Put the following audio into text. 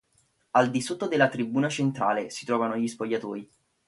Al di sotto della tribuna centrale si trovano gli spogliatoi.